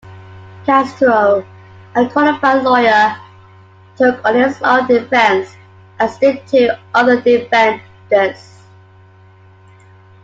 Castro, a qualified lawyer, took on his own defence, as did two other defendants.